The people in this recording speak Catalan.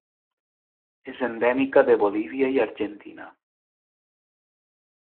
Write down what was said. És endèmica de Bolívia i Argentina.